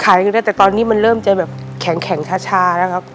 ขายังเดินได้แต่ตอนนี้มันเริ่มจะแข็งช้าแล้วครับ